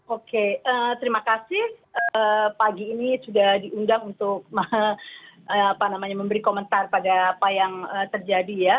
oke terima kasih pagi ini sudah diundang untuk memberi komentar pada apa yang terjadi ya